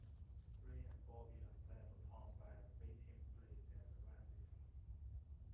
Ray and Bobby are set upon by the waiting police and arrested.